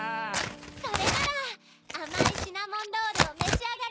それならあまいシナモンロールをめしあがれ！